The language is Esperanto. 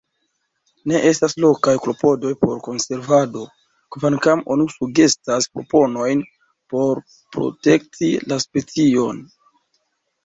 Ne estas lokaj klopodoj por konservado, kvankam oni sugestas proponojn por protekti la specion.